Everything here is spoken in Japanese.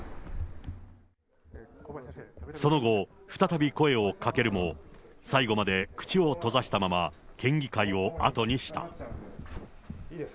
その後、再び声をかけるも、最後まで口を閉ざしたまま、県議会を後にした。